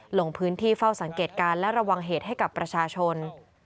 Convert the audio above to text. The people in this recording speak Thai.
ลงพื้นที่เฝ้าสังเกตการณ์และระวังเหตุให้กับประชาชน